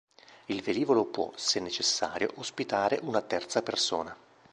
Il velivolo può, se necessario, ospitare una terza persona.